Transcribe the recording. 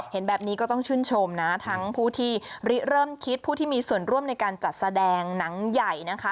เห็นแบบนี้ก็ต้องชื่นชมนะทั้งผู้ที่เริ่มคิดผู้ที่มีส่วนร่วมในการจัดแสดงหนังใหญ่นะคะ